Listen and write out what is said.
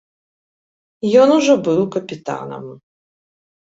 Ён ужо быў капітанам.